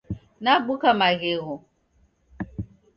Nabuka Maghegho.